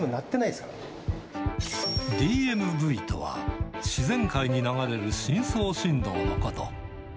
ＤＭＶとは、自然界に流れる深層振動のこと。